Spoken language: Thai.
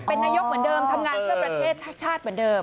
เป็นนายกเหมือนเดิมทำงานเพื่อประเทศชาติเหมือนเดิม